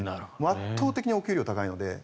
圧倒的にお給料が高いので。